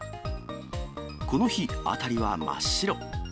この日、辺りは真っ白。